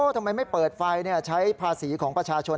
ทำไมไม่เปิดไฟใช้ภาษีของประชาชน